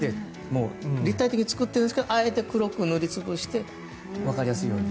立体的に作っているんですがあえて黒く塗りつぶして分かりやすいように。